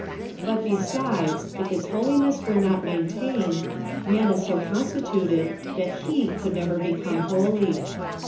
But, besides, if its ho liness were not maintained, man is so constituted that he could never become holy.